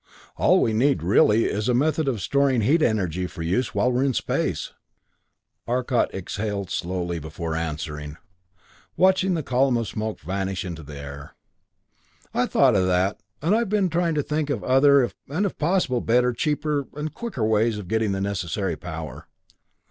All we need, really, is a method of storing heat energy for use while we're in space." Arcot exhaled slowly before answering, watching the column of smoke vanish into the air. "I thought of that, and I've been trying to think of other, and if possible, better, cheaper, and quicker ways of getting the necessary power.